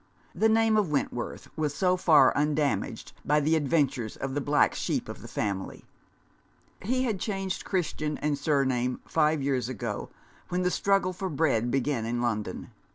The name of Wentworth was so far undamaged by the adven tures of the black sheep of the family. He had changed Christian and surname five years ago when the struggle for bread began in London.